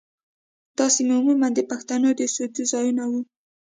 دا سیمې عموماً د پښتنو د اوسېدو ځايونه وو.